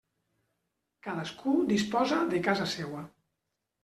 Cadascú disposa de casa seua.